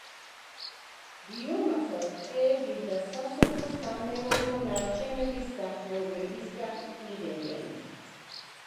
ბიომასას ტყეების და სასოფლო-სამეურნეო ნარჩენების სახეობებისგან იღებენ.